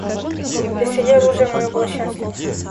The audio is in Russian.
Доселе оружие мое было счастливо.